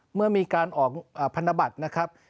เมื่อมีการออกพันธบัตรนะครับ